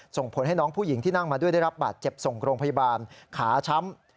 ส่งผลให้น้องผู้หญิงที่นั่งมาด้วยได้รับบาดเจ็บส่งโรงพยาบาลขาช้ำ